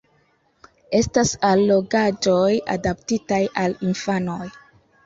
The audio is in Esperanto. Estas allogaĵoj adaptitaj al infanoj.